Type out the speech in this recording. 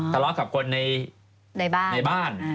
ทะเลาะกับคนในบ้าน